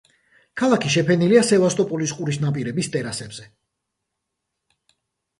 ქალაქი შეფენილია სევასტოპოლის ყურის ნაპირების ტერასებზე.